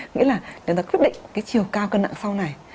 nghĩa là người ta quyết định cái chiều cao cân nặng sau này